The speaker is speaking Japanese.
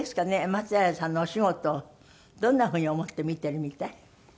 松平さんのお仕事をどんなふうに思って見ているみたい？